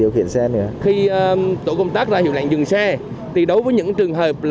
khi tổ công tác ra hiệu lệnh dừng xe đối với những trường hợp